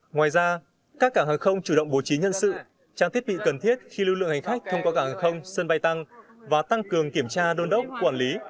ngoài ra các cảng hàng không chủ động bố trí nhân sự trang thiết bị cần thiết khi lưu lượng hành khách thông qua cảng hàng không sân bay tăng và tăng cường kiểm tra đôn đốc quản lý